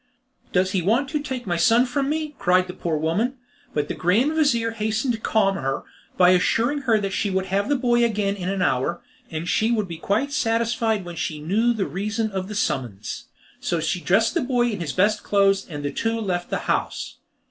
"Does he want to take my son from me?" cried the poor woman; but the grand vizir hastened to calm her, by assuring her that she should have the boy again in an hour, and she would be quite satisfied when she knew the reason of the summons. So she dressed the boy in his best clothes, and the two left the house.